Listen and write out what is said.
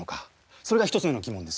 それが１つ目の疑問です。